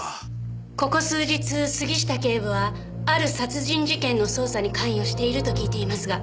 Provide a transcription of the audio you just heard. ここ数日杉下警部はある殺人事件の捜査に関与していると聞いていますが？